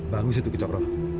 bagus itu kicapro